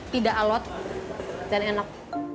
tidak alot dan enak